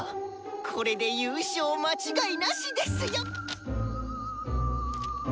これで優勝間違いなしですよ！